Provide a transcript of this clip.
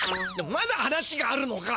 まだ話があるのか？